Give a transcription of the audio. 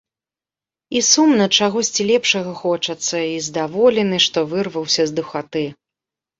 І сумна, чагосьці лепшага хочацца, і здаволены, што вырваўся з духаты.